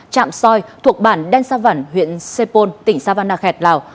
trạm soi thuộc bản đen sa vẳn huyện sê pôn tỉnh sa văn nạ khẹt lào